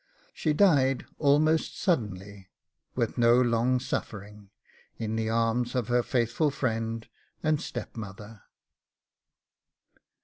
She died almost suddenly, with no long suffering, in the arms of her faithful friend and step mother.